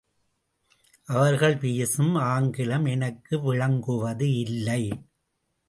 அவர்கள் பேசும் ஆங்கிலம் எனக்கு விளங்குவது இல்லை.